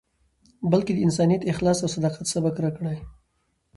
بلکې د انسانیت، اخلاص او صداقت، سبق راکړی.